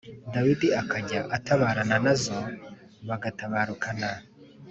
Dawidi akajya atabarana na zo, bagatabarukana.